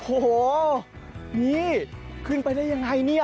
โอ้โหนี่ขึ้นไปได้ยังไงเนี่ย